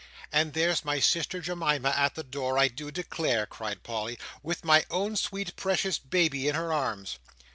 "And there's my sister Jemima at the door, I do declare" cried Polly, "with my own sweet precious baby in her arms!"